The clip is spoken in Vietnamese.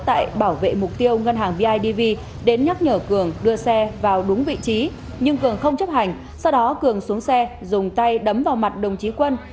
tại bảo vệ mục tiêu ngân hàng bidv đến nhắc nhở cường đưa xe vào đúng vị trí nhưng cường không chấp hành sau đó cường xuống xe dùng tay đấm vào mặt đồng chí quân